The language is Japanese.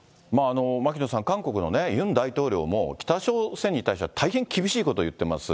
牧野さん、韓国のユン大統領も、北朝鮮に対しては、大変厳しいことを言っています。